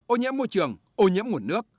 ô nhiễm môi trường ô nhiễm nguồn nước